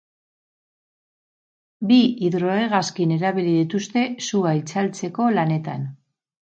Bi hidrohegazkin erabili dituzte sua itzaltzeko lanetan.